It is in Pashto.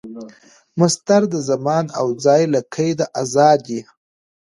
مصدر د زمان او ځای له قیده آزاد يي.